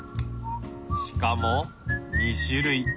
しかも２種類。